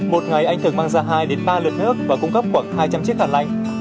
một ngày anh thường mang ra hai đến ba lượt nước và cung cấp khoảng hai trăm linh chiếc hàn lạnh